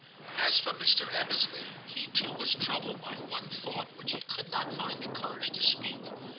As for Mr. Ebbesley, he too was troubled by one thought which he could not find the courage to speak.